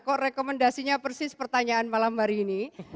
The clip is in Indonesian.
kok rekomendasinya persis pertanyaan malam hari ini